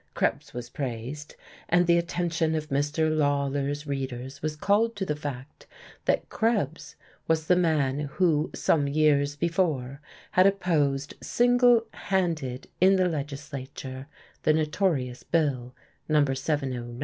Krebs was praised, and the attention of Mr. Lawler's readers was called to the fact that Krebs was the man who, some years before, had opposed single handed in the legislature the notorious Bill No.